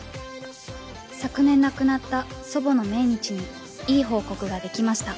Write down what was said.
「昨年亡くなった祖母の命日にいい報告ができました」